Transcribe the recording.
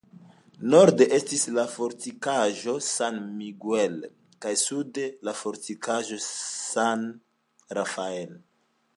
Norde estis la fortikaĵo San Miguel kaj sude la fortikaĵo San Rafael.